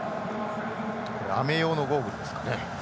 雨用のゴーグルですね。